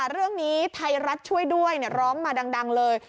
เรื่องนี้ไทยรัฐช่วยด้วยร้องมาดังเลย